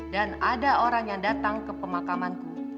dan ada orang yang datang ke pemakamanku